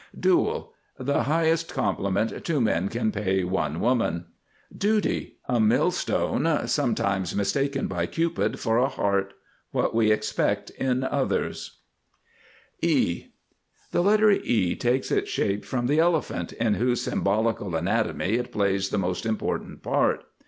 DUEL. The highest compliment two men can pay one woman. DUTY. A millstone sometimes mistaken by Cupid for a heart. What we expect in others. [Illustration: THE TYPIST] E [Illustration: E] The letter E takes its shape from the Elephant, in whose symbolical anatomy it plays the most important part.